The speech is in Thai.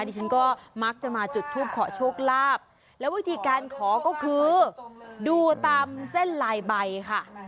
ดิฉันก็มักจะมาจุดทูปขอโชคลาภแล้ววิธีการขอก็คือดูตามเส้นลายใบค่ะ